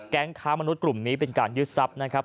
ค้ามนุษย์กลุ่มนี้เป็นการยึดทรัพย์นะครับ